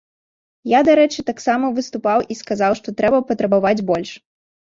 Я, дарэчы, там таксама выступаў і сказаў, што трэба патрабаваць больш.